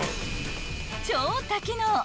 ［超多機能！